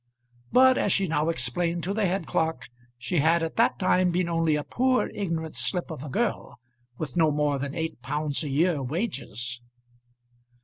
But as she now explained to the head clerk, she had at that time been only a poor ignorant slip of a girl, with no more than eight pounds a year wages.